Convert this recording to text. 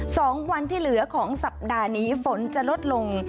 สองวันที่เหลือของสัปดาห์นี้ฝนจะลดลง